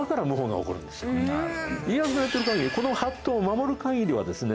家康がやってる限りこの法度を守る限りはですね